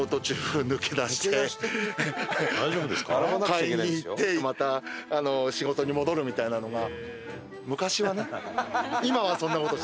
買いに行ってまた仕事に戻るみたいなのが。